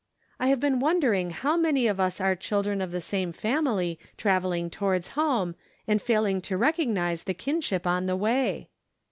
I have been wondering how many of us are children of the same family traveling towards home, and failing to recognize the kinship on the way.